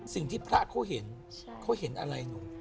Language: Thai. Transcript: สิ่งที่พระเขาเห็นเขาเห็นอะไรหนู